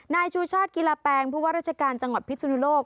นายชูชาติกีฬาแปงผู้ว่าราชการจังหวัดพิศนุโลก